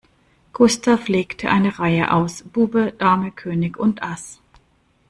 Gustav legt eine Reihe aus Bube, Dame König und Ass.